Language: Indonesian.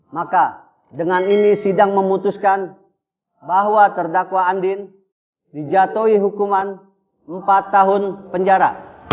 maka dengan ini sidang memutuskan bahwa terdakwa andin dijatuhi hukuman empat tahun penjara